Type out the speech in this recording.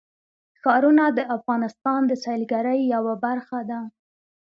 ښارونه د افغانستان د سیلګرۍ یوه برخه ده.